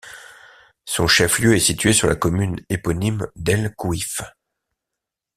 Son chef-lieu est situé sur la commune éponyme d'El Kouif.